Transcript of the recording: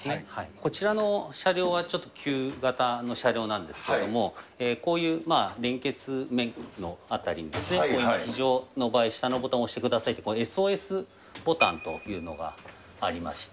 こちらの車両はちょっと旧型の車両なんですけれども、こういう連結面の辺りにこういう非常の場合、下のボタンを押してくださいと、ＳＯＳボタンというのがありまして。